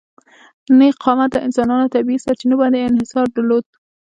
نېغ قامته انسانانو طبیعي سرچینو باندې انحصار درلود.